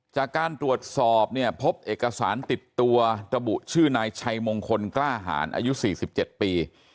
จากการตรวจสอบเนี่ยพบเอกสารติดตัวระบุชื่อนายชัยมงคลกล้าหารอายุ๔๗ปี